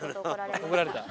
怒られた？